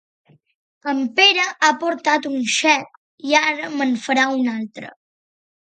En Pere ha portat un xec i ara me'n farà un altre